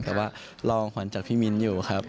แต่ว่ารองขวัญจากพี่มิ้นอยู่ครับ